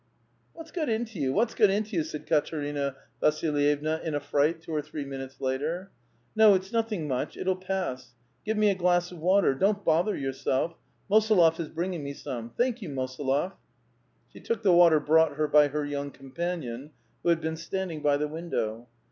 ''What's got into you? What's got into you?" said Kat erina Vasilyevna, in afifright two or three minutes later. "No, it's nothing much! it'll pass. Give me a glass of water ! Don't bother yourself i Mosolof is bringing me some. Thank you, Mosolof I " She took the water brought her by her young companion who had been standing by the window.